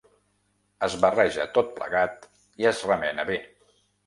Es barreja tot plegat i es remena bé.